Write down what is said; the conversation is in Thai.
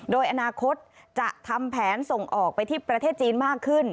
โดยอนาคตจะทำแผนส่งออกไปที่ประเทศจีนมากขึ้น